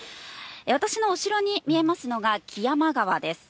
私の後ろに見えますのが、木山川です。